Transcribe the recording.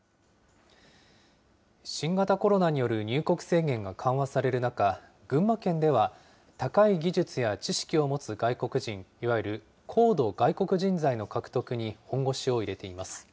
新型コロナによる入国制限が緩和される中、群馬県では、高い技術や知識を持つ外国人、いわゆる高度外国人材の獲得に本腰を入れています。